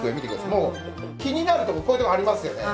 もう気になるとここういうとこありますよね。